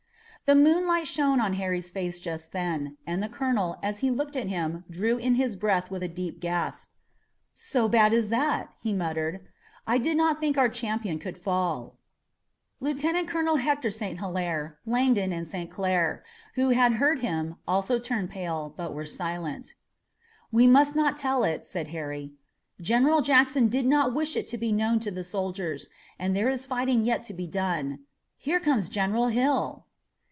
The moonlight shone on Harry's face just then, and the colonel, as he looked at him, drew in his breath with a deep gasp. "So bad as that!" he muttered. "I did not think our champion could fall." Lieutenant Colonel Hector St. Hilaire, Langdon and St. Clair, who had heard him, also turned pale, but were silent. "We must not tell it," said Harry. "General Jackson did not wish it to be known to the soldiers, and there is fighting yet to be done. Here comes General Hill!"